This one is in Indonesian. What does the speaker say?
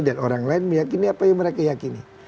dan orang lain meyakini apa yang mereka yakini